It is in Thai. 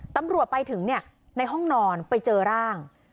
ตำรวจไปถึงในห้องนอนไปเจอร่าง